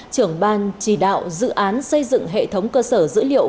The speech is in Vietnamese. trưởng ban chỉ đạo dự án xây dựng hệ thống cơ sở dữ liệu